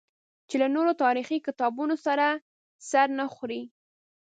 چې له نورو تاریخي کتابونو سره سر نه خوري.